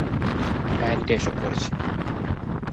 ডাইনি টা এসব করেছে!